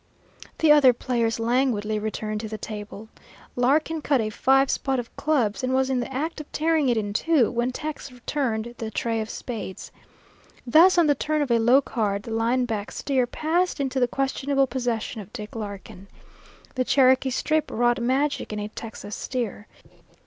The other players languidly returned to the table. Larkin cut a five spot of clubs and was in the act of tearing it in two, when Tex turned the tray of spades. Thus, on the turn of a low card, the line back steer passed into the questionable possession of Dick Larkin. The Cherokee Strip wrought magic in a Texas steer.